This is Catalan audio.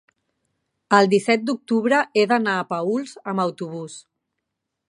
el disset d'octubre he d'anar a Paüls amb autobús.